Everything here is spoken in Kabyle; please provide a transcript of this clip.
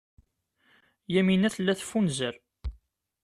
Yamina tella teffunzer.